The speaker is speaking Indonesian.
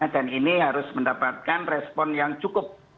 dan ini harus mendapatkan respon yang cukup